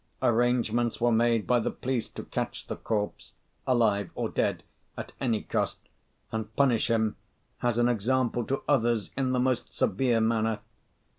Arrangements were made by the police to catch the corpse, alive or dead, at any cost, and punish him as an example to others in the most severe manner.